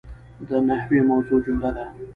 د نحوي موضوع جمله ده.